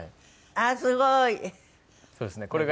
あっすごい。